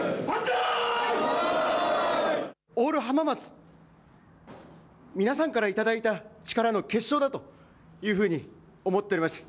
オール浜松、皆さんから頂いた力の結晶だというふうに思っております。